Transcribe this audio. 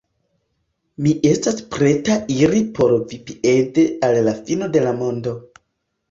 Mi estas preta iri por vi piede al la fino de la mondo.